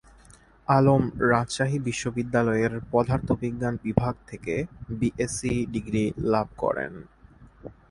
আলম রাজশাহী বিশ্ববিদ্যালয়ের পদার্থবিজ্ঞান বিভাগ থেকে বিএসসি ডিগ্রি লাভ করেন।